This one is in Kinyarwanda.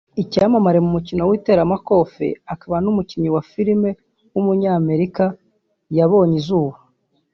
icyamamare mu mukino w’iteramakofi akaba n’umukinnyi wa filime w’umunyamerika yabonye izuba